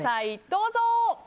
どうぞ。